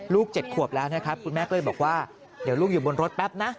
๗ขวบแล้วนะครับคุณแม่ก็เลยบอกว่าเดี๋ยวลูกอยู่บนรถแป๊บนะ